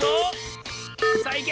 さあいけ！